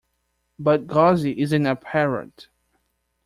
But Gussie isn't a parrot.